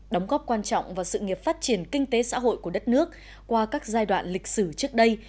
đóng góp quan trọng vào sự nghiệp phát triển kinh tế xã hội của đất nước qua các giai đoạn lịch sử trước đây